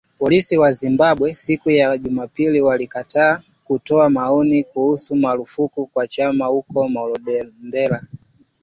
Polisi wa Zimbabwe, siku ya Jumapili walikataa kutoa maoni kuhusu marufuku kwa chama huko Marondera